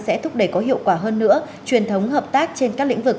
sẽ thúc đẩy có hiệu quả hơn nữa truyền thống hợp tác trên các lĩnh vực